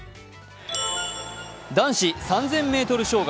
男子３０００ｍ障害。